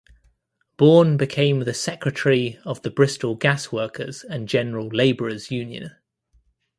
Born became the secretary of the Bristol Gas Workers and General Laborers Union.